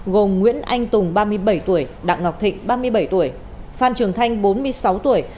gồm nguyễn anh tùng ba mươi bảy tuổi đặng ngọc thịnh ba mươi bảy tuổi phan trường thanh bốn mươi sáu tuổi